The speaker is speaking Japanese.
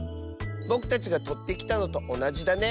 ぼくたちがとってきたのとおなじだね。